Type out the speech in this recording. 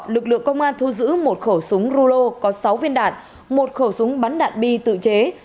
lực lượng công an thu giữ một khẩu súng rulo có sáu viên đạn một khẩu súng bắn đạn bi tự chế